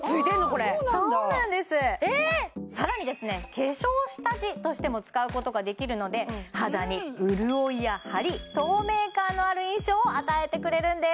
これそうなんですさらにですね化粧下地としても使うことができるので肌に潤いやハリ透明感のある印象を与えてくれるんです